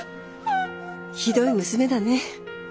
ひどい娘だね。